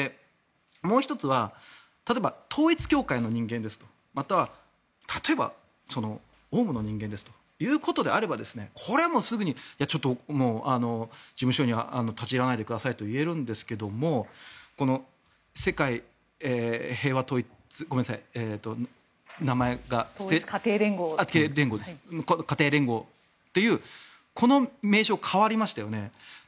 もう１つは例えば、統一教会の人間ですとまたは例えばオウムの人間ですということであればこれはもうすぐに事務所には立ち入らないでくださいと言えるんですが世界平和統一家庭連合というこの名称が変わりましたよね。